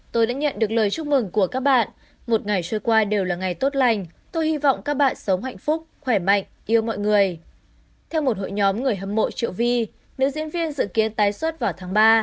theo một hội nhóm người hâm mộ triệu vi nữ diễn viên dự kiến tái xuất vào tháng ba